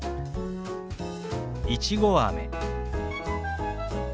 「いちごあめ」。